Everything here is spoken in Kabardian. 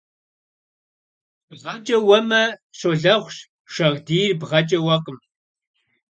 БгъэкӀэ уэмэ, щолэхъущ, шагъдийр бгъэкӀэ уэкъым.